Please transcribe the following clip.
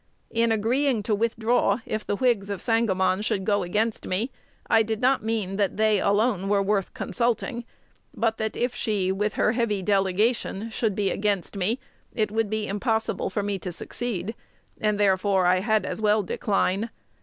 In agreeing to withdraw if the Whigs of Sangamon should go against me, I did not mean that they alone were worth consulting, but that if she, with her heavy delegation, should be against me, it would be impossible for me to succeed; and therefore I had as well decline.